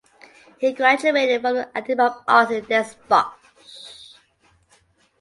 He graduated from the Academy of Arts in Den Bosch.